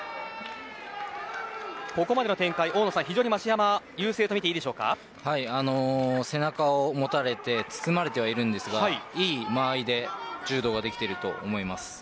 ここまでの展開、大野さんは非常に優勢と背中を持たれて包まれていますがいい間合いで柔道ができていると思います。